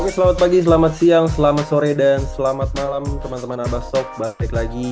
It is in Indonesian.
selamat pagi selamat siang selamat sore dan selamat malam teman teman abasok balik lagi